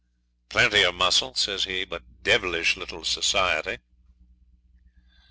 'Plenty of muscle,' says he, 'but devilish little society.'